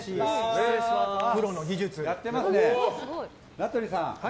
名取さん